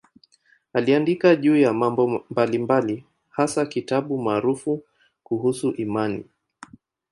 Aliandika juu ya mambo mbalimbali, hasa kitabu maarufu kuhusu imani.